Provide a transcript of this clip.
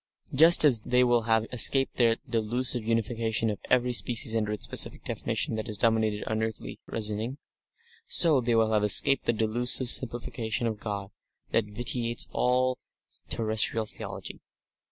Just as they will have escaped that delusive unification of every species under its specific definition that has dominated earthly reasoning, so they will have escaped the delusive simplification of God that vitiates all terrestrial theology.